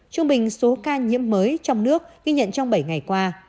trung bình số ca nhiễm mới trong nước ghi nhận trong bảy ngày qua